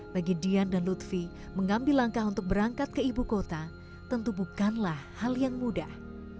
bagi dian dan lutfi mengambil langkah untuk berangkat ke ibu kota tentu bukanlah hal yang mudah